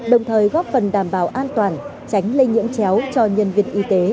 đồng thời góp phần đảm bảo an toàn tránh lây nhiễm chéo cho nhân viên y tế